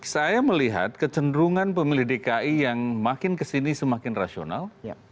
saya melihat kecenderungan pemilih dki yang makin kesini semakin rasional